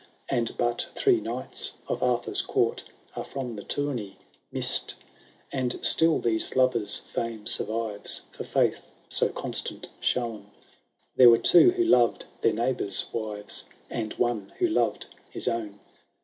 And but three knights of Arthur's court Are from the tourney miss'd. And still these lovers' fame survives For faith so constant shown, — There were two who loved their neighbour's wives. And one who loved his own.